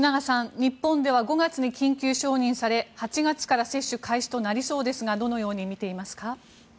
日本では、５月に緊急承認され、８月から接種開始となりそうですがどのように見ていますか。